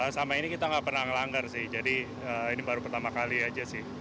sama ini kita nggak pernah ngelanggar sih jadi ini baru pertama kali aja sih